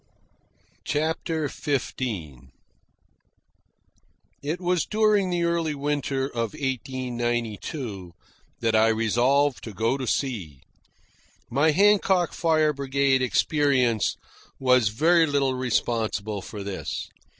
CHAPTER XV It was during the early winter of 1892 that I resolved to go to sea. My Hancock Fire Brigade experience was very little responsible for this.